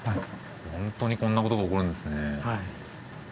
本当にこんなことが起こるんですね。